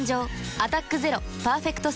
「アタックＺＥＲＯパーフェクトスティック」